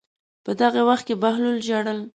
په دغه وخت کې بهلول ژړل.